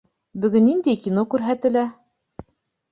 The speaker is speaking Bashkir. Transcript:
Бөгөн ниндәй кино күрһәтелә?